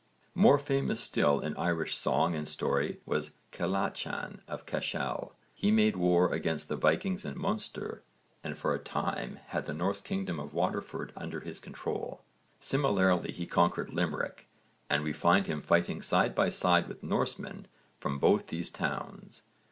More famous still in Irish song and story was Cellachan of Cashel. He made war against the Vikings in Munster and for a time had the Norse kingdom of Waterford under his control. Similarly he conquered Limerick, and we find him fighting side by side with Norsemen from both these towns.